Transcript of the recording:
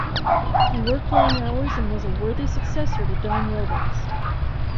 He worked long hours and was a worthy successor to Don Robins.